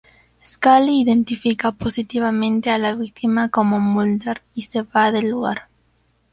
Scully identifica positivamente a la víctima como Mulder y se va del lugar.